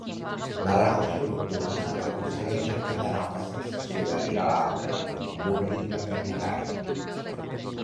La rauxa nocturna aconsegueix encadenar una sensació darrere l'altra amb un ritme trepidant.